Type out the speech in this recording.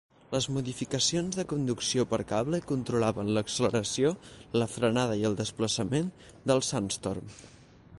Les modificacions de conducció per cable controlaven l"acceleració, la frenada i el desplaçament del Sandstorm.